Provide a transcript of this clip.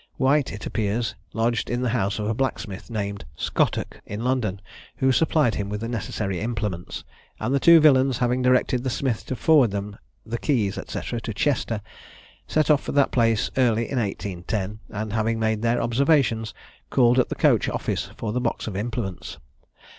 White, it appears, lodged in the house of a blacksmith, named Scottock, in London, who supplied him with the necessary implements; and the two villains having directed the smith to forward them the keys, &c. to Chester, set off for that place early in 1810; and having made their observations, called at the coach office for the box of implements.